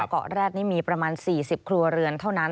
เกาะแร็ดนี่มีประมาณ๔๐ครัวเรือนเท่านั้น